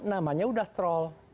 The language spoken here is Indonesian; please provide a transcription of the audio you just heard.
namanya udah troll